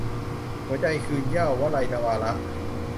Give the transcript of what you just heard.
หัวใจคืนเหย้า - วลัย นวาระ